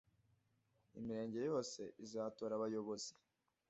Imirenge yose izatora abayobozi